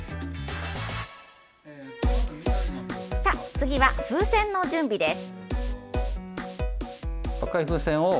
次は風船の準備です。